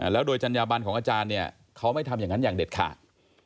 แล้วโดยจัญญาบันของอาจารย์เนี่ยเขาไม่ทำอย่างนั้นอย่างเด็ดขาด